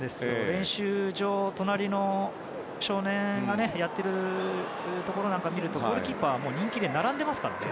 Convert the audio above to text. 練習場、隣の少年がやっているところ見るとゴールキーパーは人気で並んでいますから。